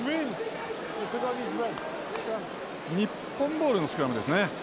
日本ボールのスクラムですね。